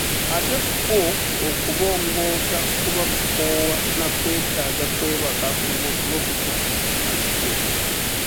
Ate kwo okubongoota kuba kukoowa na kwetaaga kwebaka ng'otulo tukukutte.